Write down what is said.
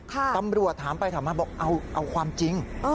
ตำรวจถามไปถามมาบอกเอาความจริง